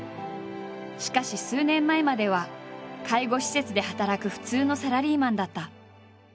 しかし数年前までは介護施設で働く普通のサラリーマンだった。